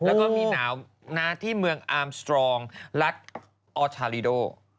แล้วก็มีหนาวที่เมืองอาร์มสตรองรัฐออทาริโด